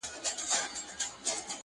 • په میندلو د ډوډۍ چي سرګردان سو -